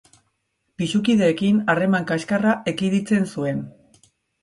Pisukideekin harreman kaxkarra ekiditzen zuen.